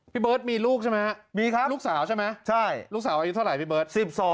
พี่เบิร์ตมีลูกใช่ไหมลูกสาวใช่ไหมลูกสาวอายุเท่าไหร่พี่เบิร์ต